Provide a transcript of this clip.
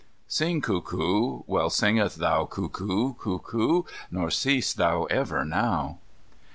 Sing cuckoo, Well singeth thou, cuckoo, cuckoo. Nor cease thou ever now."